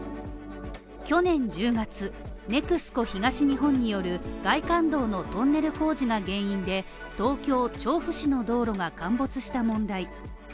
去年１０月、ＮＥＸＣＯ東日本による外環道のトンネル工事が原因で東京調布市の道路が陥没した問題。